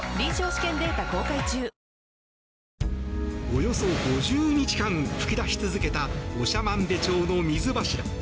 およそ５０日間噴き出し続けた長万部町の水柱。